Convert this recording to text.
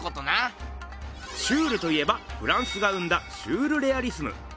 シュールといえばフランスが生んだシュールレアリスム。